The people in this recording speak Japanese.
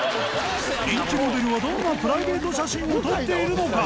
人気モデルはどんなプライベート写真を撮っているのか？